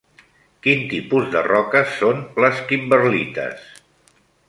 Quin tipus de roques són les kimberlites?